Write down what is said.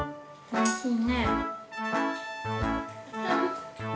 おいしい。